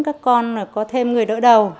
các con có thêm người đỡ đầu